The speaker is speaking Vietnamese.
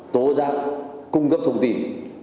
tố giác cung cấp thông tin